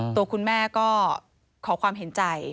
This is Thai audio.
ตัวคุณแม่ก็ขอความเห็นใจ